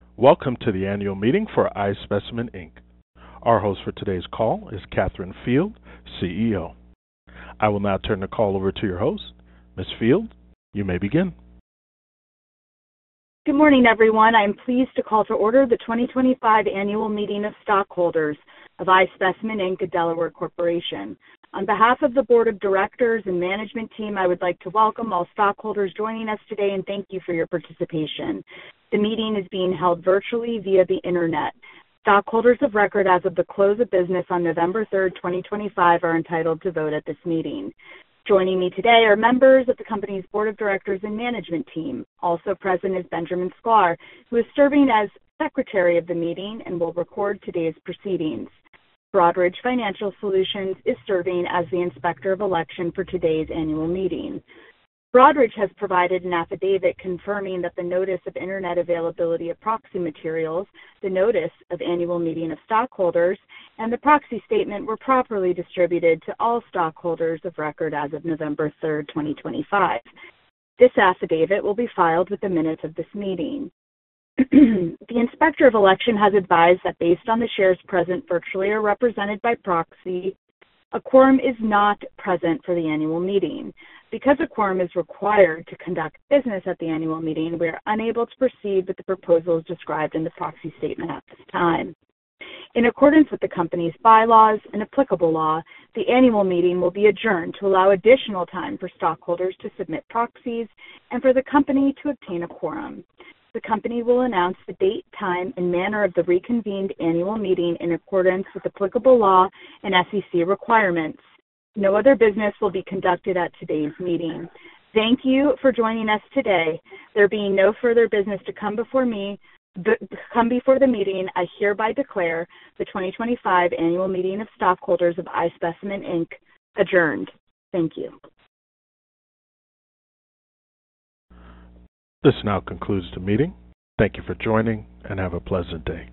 Welcome to the annual meeting for iSpecimen Inc. Our host for today's call is Katharyn Field, CEO. I will now turn the call over to your host, Ms. Field. You may begin. Good morning, everyone. I'm pleased to call to order the 2025 annual meeting of stockholders of iSpecimen Inc., a Delaware corporation. On behalf of the board of directors and management team, I would like to welcome all stockholders joining us today and thank you for your participation. The meeting is being held virtually via the internet. Stockholders of record, as of the close of business on November 3rd, 2025, are entitled to vote at this meeting. Joining me today are members of the company's board of directors and management team. Also present is Benjamin Sklar, who is serving as secretary of the meeting and will record today's proceedings. Broadridge Financial Solutions is serving as the inspector of election for today's annual meeting. Broadridge has provided an affidavit confirming that the Notice of Internet Availability of Proxy Materials, the Notice of Annual Meeting of Stockholders, and the proxy statement were properly distributed to all stockholders of record as of November 3rd, 2025. This affidavit will be filed with the minutes of this meeting. The inspector of election has advised that based on the shares present virtually or represented by proxy, a quorum is not present for the annual meeting. Because a quorum is required to conduct business at the annual meeting, we are unable to proceed with the proposals described in the proxy statement at this time. In accordance with the company's bylaws and applicable law, the annual meeting will be adjourned to allow additional time for stockholders to submit proxies and for the company to obtain a quorum. The company will announce the date, time, and manner of the reconvened annual meeting in accordance with applicable law and SEC requirements. No other business will be conducted at today's meeting. Thank you for joining us today. There being no further business to come before the meeting, I hereby declare the 2025 annual meeting of stockholders of iSpecimen Inc. adjourned. Thank you. This now concludes the meeting. Thank you for joining and have a pleasant day.